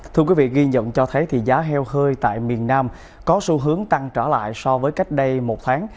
thưa quý vị ghi nhận cho thấy giá heo hơi tại miền nam có xu hướng tăng trở lại so với cách đây một tháng